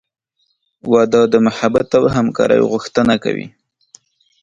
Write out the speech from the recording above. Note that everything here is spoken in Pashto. • واده د محبت او همکارۍ غوښتنه کوي.